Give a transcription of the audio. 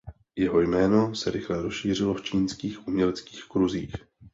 Jeho jméno se rychle rozšířilo v čínských uměleckých kruzích.